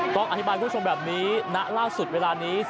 ต้องอธิบายคุณผู้ชมแบบนี้ณล่าสุดเวลานี้